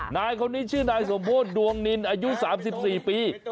นายคนนี้ชื่อนายสมโพธิดวงนินอายุ๓๔ปี